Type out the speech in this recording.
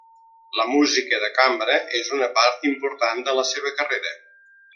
La música de cambra és una part important de la seva carrera.